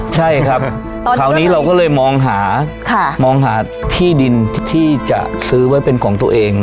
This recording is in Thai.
ใช่ครับคราวนี้เราก็เลยมองหามองหาที่ดินที่จะซื้อไว้เป็นของตัวเอง